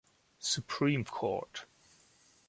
Supreme Court.